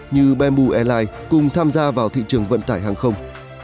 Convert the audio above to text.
như bamboo airlines cùng tham gia vào thị trường vận tải hàng không